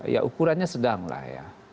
ya ukurannya sedang lah ya